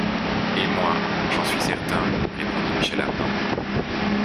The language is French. Et moi, j’en suis certain, répondit Michel Ardan.